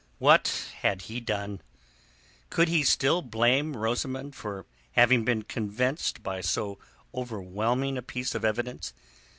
What had he done? Could he still blame Rosamund for having been convinced by so overwhelming a piece of evidence?